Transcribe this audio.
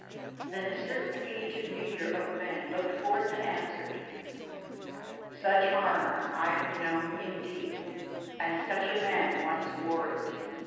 Then a certain aged leader of men looked forth and answered: "Such armour I have known indeed, and such a man once wore it.